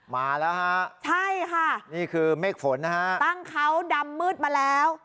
มาแล้วฮะใช่ค่ะนี่คือเมฆฝนนะฮะตั้งเขาดำมืดมาแล้ว